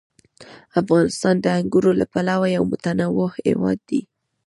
افغانستان د انګورو له پلوه یو متنوع هېواد دی.